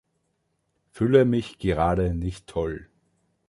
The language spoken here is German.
Fühle mich gerade nicht toll.